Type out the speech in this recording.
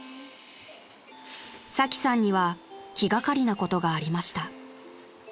［サキさんには気がかりなことがありました］